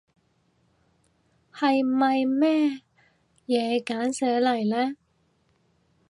係咪咩嘢嘅簡寫嚟呢？